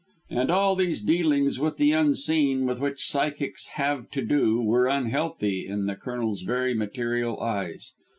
And all those dealings with the unseen with which psychics have to do were unhealthy in the Colonel's very material eyes.